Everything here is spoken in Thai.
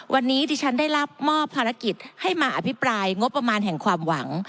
วันนี้ดิฉันได้รับมอบภารกิจให้มาอภิปรายงบประมาณแห่งความหวัง